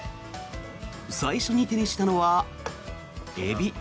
最初に手にしたのはエビ。